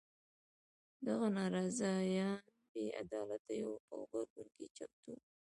دغه ناراضیان بې عدالیتو په غبرګون کې چمتو وو.